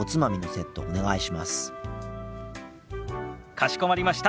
かしこまりました。